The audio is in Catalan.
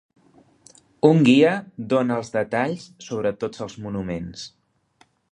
Un guia dóna els detalls sobre tots els monuments.